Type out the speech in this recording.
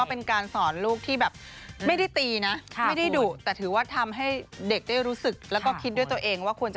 เพราะแม่อ่านแล้วแบบเฮ้ยสงสาร